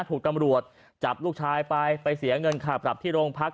ถูกตำรวจจับลูกชายไปไปเสียเงินค่าปรับที่โรงพัก